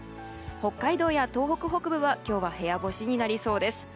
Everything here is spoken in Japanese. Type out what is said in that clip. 北海道や東北北部は今日は部屋干しになりそうです。